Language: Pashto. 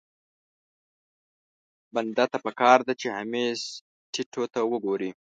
بنده ته پکار ده چې همېش ټيټو ته وګوري.